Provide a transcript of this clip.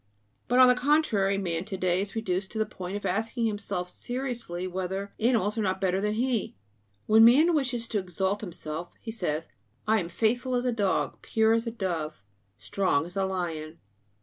But on the contrary, man to day is reduced to the point of asking himself seriously whether animals are not better than he. When man wishes to exalt himself, he says: "I am faithful as a dog, pure as a dove, strong as a lion."